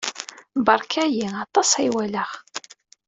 Beṛka-iyi, aṭas ay walaɣ.